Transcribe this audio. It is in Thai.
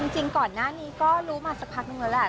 จริงก่อนหน้านี้ก็รู้มาสักพักนึงแล้วแหละ